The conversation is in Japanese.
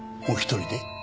お一人で？